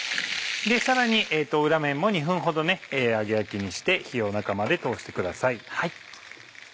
さらに裏面も２分ほど揚げ焼きにして火を中まで通してください。